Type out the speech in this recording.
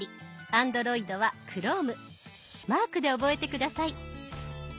マークで覚えて下さい。